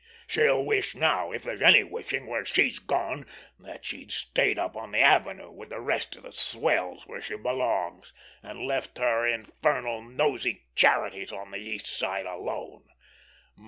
She'll wish now, if there's any wishing where she's gone, that she'd stayed up on the Avenue with the rest of the swells where she belongs, and left her infernal, nosey charities on the East Side alone.